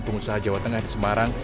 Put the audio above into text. pengusaha jawa tengah di semarang